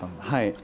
はい。